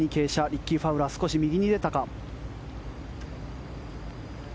リッキー・ファウラー少し右に出たか。